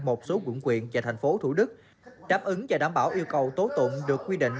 một số quận quyện và thành phố thủ đức đáp ứng và đảm bảo yêu cầu tố tụng được quy định